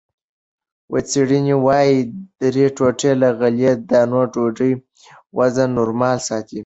څېړنې وايي، درې ټوټې له غلې- دانو ډوډۍ وزن نورمال ساتي.